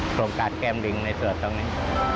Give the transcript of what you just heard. โครงการแก้มลิงในส่วนตรงนี้